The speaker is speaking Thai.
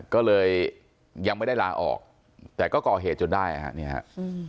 ก็เลยยังไม่ได้ลาออกแต่ก็ก่อเหตุจนได้นะครับ